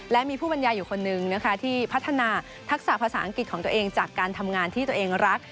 และมีผู้บรรยายอยู่คนนึงนะคะที่พัฒนาทักษะภาษาอังกฤษของตัวเองจากการทำงานที่ตัวเองรัก